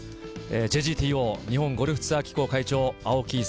ＪＧＴＯ日本ゴルフツアー機構会長・青木功